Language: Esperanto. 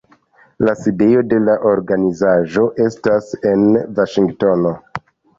La sidejo de la organizaĵo estas en Vaŝingtono.